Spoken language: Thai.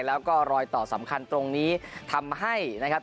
แล้วก็รอยต่อสำคัญตรงนี้ทำให้นะครับ